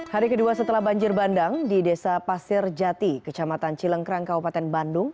hari kedua setelah banjir bandang di desa pasir jati kecamatan cilengkrang kabupaten bandung